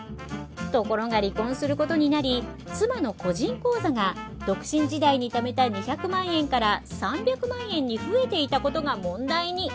ところが離婚することになり妻の個人口座が独身時代にためた２００万円から３００万円に増えていたことが問題に。